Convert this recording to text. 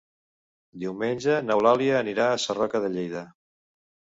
Diumenge n'Eulàlia anirà a Sarroca de Lleida.